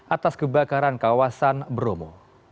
atas kebakaran kawasan bromo